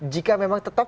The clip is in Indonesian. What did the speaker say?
jika memang tetap